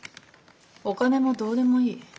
お金もどうでもいい。